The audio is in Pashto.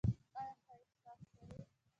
ایا ښه احساس کوئ؟